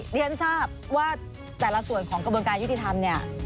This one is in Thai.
เรียนทราบว่าแต่ละส่วนของกระบวนการยุติธรรมเนี่ย